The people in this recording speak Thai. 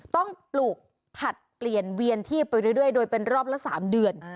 ปลูกผลัดเปลี่ยนเวียนที่ไปเรื่อยโดยเป็นรอบละ๓เดือน